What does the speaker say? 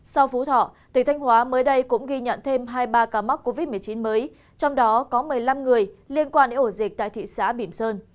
sau phú thọ tỉnh thanh hóa mới đây cũng ghi nhận thêm hai mươi ba ca mắc covid một mươi chín mới trong đó có một mươi năm người liên quan đến ổ dịch tại thị xã bỉm sơn